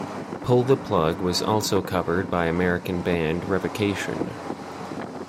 "Pull the Plug" was also covered by American band Revocation.